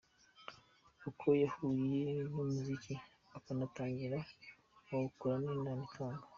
Uko yahuye numuziki akanatangira kuwukora ninama atanga.